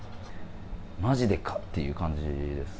まじでかっていう感じです。